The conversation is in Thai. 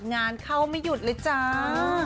งานเข้าไม่หยุดเลยจ้า